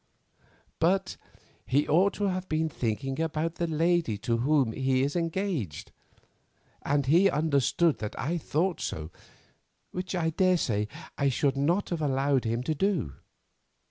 But he ought to have been thinking about the lady to whom he is engaged, and he understood that I thought so, which I daresay I should not have allowed him to do.